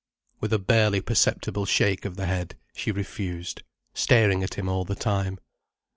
With a barely perceptible shake of the head, she refused, staring at him all the time.